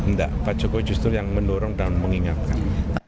enggak pak jokowi justru yang mendorong dan mengingatkan